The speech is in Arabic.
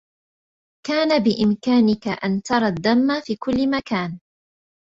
كان بإمكانك أن ترى الدّم في كلّ مكان.